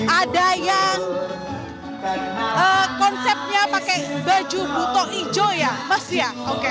ada yang konsepnya pakai baju buto ijo ya mas ya